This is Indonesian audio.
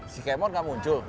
si kemot gak muncul